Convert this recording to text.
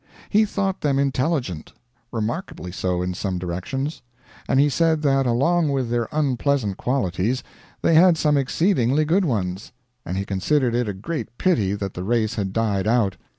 He thought them intelligent remarkably so in some directions and he said that along with their unpleasant qualities they had some exceedingly good ones; and he considered it a great pity that the race had died out.